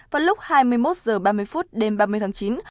vào lúc hai mươi một h ba mươi phút đêm ba mươi tháng chín